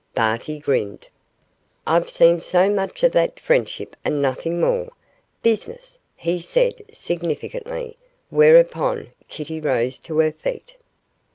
Barty grinned. 'I've seen so much of that "friendship, and nothing more", business,' he said, significantly, whereupon Kitty rose to her feet.